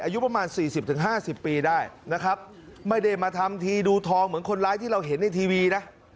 อายุประมาณสี่สิบถึงห้าสิบปีได้นะครับไม่ได้มาทำทีดูทองเหมือนคนร้ายที่เราเห็นในทีวีนะ